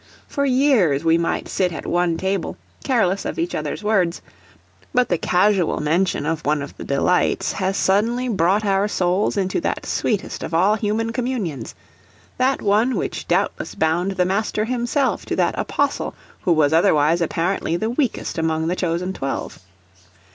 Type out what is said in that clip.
for years we might sit at one table, careless of each other's words, but the casual mention of one of thy delights has suddenly brought our souls into that sweetest of all human communions that one which doubtless bound the Master himself to that apostle who was otherwise apparently the weakest among the chosen twelve.